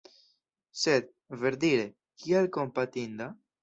Sed, verdire, kial kompatinda?